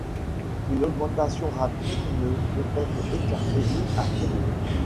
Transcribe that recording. Une augmentation rapide ne peut être écartée ni affirmée.